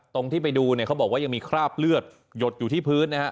ที่ไปดูเนี่ยเขาบอกว่ายังมีคราบเลือดหยดอยู่ที่พื้นนะฮะ